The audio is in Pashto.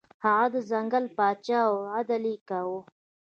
هغه د ځنګل پاچا و او عدل یې کاوه.